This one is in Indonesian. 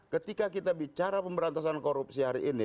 ketika kita bicara pemberantasan korupsi hari ini